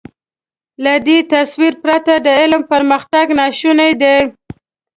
له دې تصور پرته د علم پرمختګ ناشونی دی.